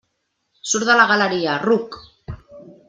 Surt de la galeria, ruc!